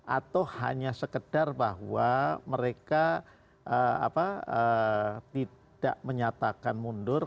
atau hanya sekedar bahwa mereka tidak menyatakan mundur